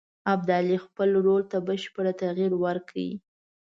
ابدالي خپل رول ته بشپړ تغییر ورکړ.